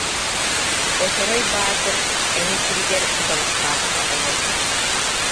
Очорой Баатыр Эҥэ сиригэр Кыталыктаахха олорбут